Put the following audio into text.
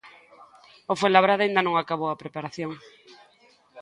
O Fuenlabrada aínda non acabou a preparación.